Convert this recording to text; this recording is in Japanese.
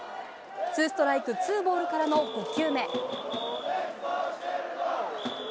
ツーストライクツーボールからの５球目。